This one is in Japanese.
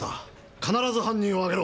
必ず犯人を挙げろ！